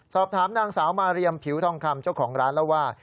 สอบถามนางสาวมาเรียมผิวทองคำเจ้าของร้านเล่าว่า